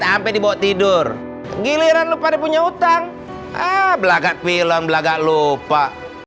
sampai dibawa tidur giliran lupa punya utang ah belaka film belaka lupa